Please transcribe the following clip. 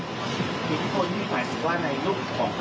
คดีที่มีอีกที่เพิ่มนะครับ